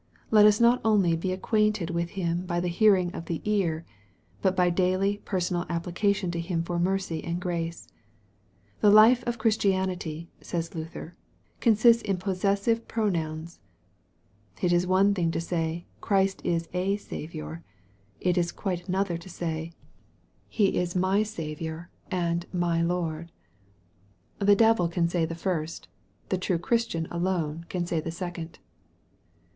Let us not only be acquainted with Him by the hearing of the ear, but by daily personal application to Him for mercy and grace. " The life of Christianity," says Luther, " consists in possessive pro nouns." It is one thing to say " Christ is a Saviour " It is quite another to say " He is my Saviour and my MARK, CHAP. I. 13 Lord." The devil can say the first. The true Christian alone can say the second.